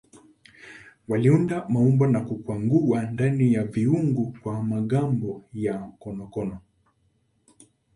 Waliunda maumbo na kukwangua ndani ya viungu kwa magamba ya konokono.